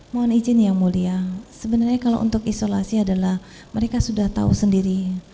mohon izin yang mulia sebenarnya kalau untuk isolasi adalah mereka sudah tahu sendiri